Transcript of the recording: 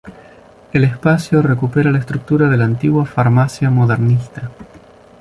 El espacio recupera la estructura de la antigua farmacia modernista.